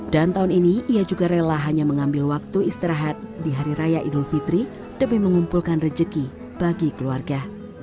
dan tahun ini ia juga rela hanya mengambil waktu istirahat di hari raya idul fitri demi mengumpulkan rejeki bagi keluarga